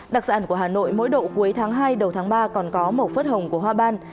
đặc sản của hà nội mỗi độ cuối tháng hai đầu tháng ba còn có màu phớt hồng của hoa ban